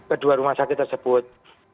kedua rumah sakit tersebut